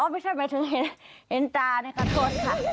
ไม่ใช่หมายถึงเห็นตาในขอโทษค่ะ